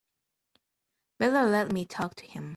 Better let me talk to him.